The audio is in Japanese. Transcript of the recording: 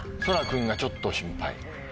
そら君がちょっと心配。